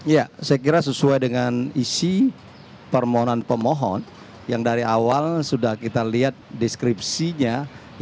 ya saya kira sesuai dengan isi permohonan pemohon yang dari awal sudah kita lihat deskripsinya